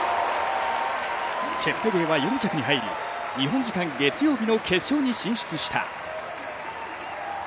チェプテゲイは４着に入り日本時間月曜の決勝に進出した。